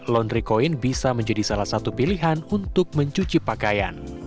laundry coin bisa menjadi salah satu pilihan untuk mencuci pakaian